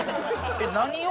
「えっ何を？」